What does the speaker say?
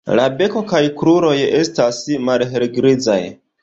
La beko kaj kruroj estas malhelgrizaj.